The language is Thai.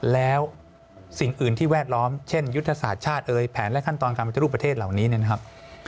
แล้วสิ่งอื่นที่แวดล้อมเช่นยุทธศาสตร์ชาติเอ่ยแผนและขั้นตอนการปฏิรูปประเทศเหล่านี้เนี่ยนะครับ